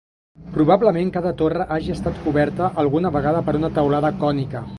Probablement cada torre hagi estat coberta alguna vegada per una teulada cònica.